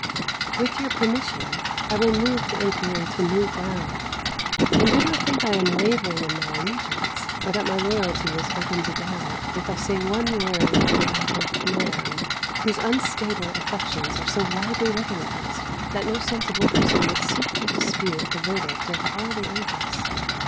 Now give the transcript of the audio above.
With your permission, I will move the inquiry to new ground; and do not think I am wavering in my allegiance, or that my loyalty is open to doubt, if I say one word on behalf of man, whose unstable affections are so widely recognised that no sensible person would seek to dispute the verdict of all the ages.